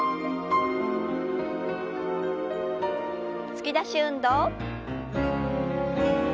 突き出し運動。